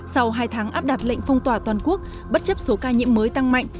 sau hai tháng áp đặt lệnh phong tỏa toàn quốc bất chấp số ca nhiễm mới tăng mạnh